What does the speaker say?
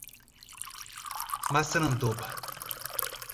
Massaranduba